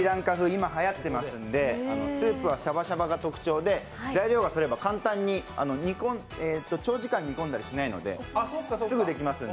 今はやってますのでスープはシャバシャバが特徴で材料がそろえば、簡単に長時間煮込んだりしないので。